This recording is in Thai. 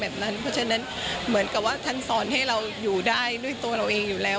เพราะฉะนั้นเหมือนกับว่าท่านสอนให้เราอยู่ได้ด้วยตัวเราเองอยู่แล้ว